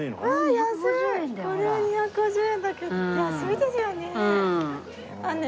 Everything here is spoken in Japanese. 安いですよね。